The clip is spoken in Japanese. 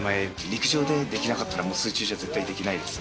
陸上でできなかったら、水中じゃ絶対できないです。